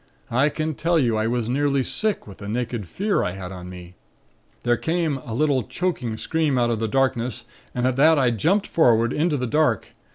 I can tell you, I was nearly sick with the naked fear I had on me. There came a little, choking scream out of the darkness, and at that I jumped forward into the dark.